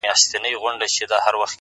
• په سینه کي یې د حرص لمبې بلیږي ,